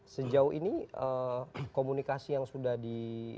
sejauh ini komunikasi yang sudah di